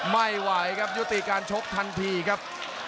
ไม่ไหวครับยุติการชกทันทีครับ